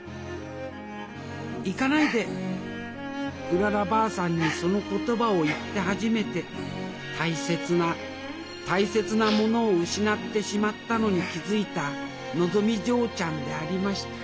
うららばあさんにその言葉を言って初めて大切な大切なものを失ってしまったのに気付いたのぞみ嬢ちゃんでありました